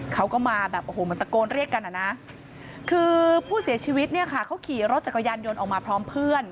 เขาก็มาแบบโอ้โหเหมือนตะโกนเรียกกันอ่ะนะคือผู้เสียชีวิตเนี่ยค่ะเขาขี่รถจักรยานยนต์ออกมาพร้อมเพื่อน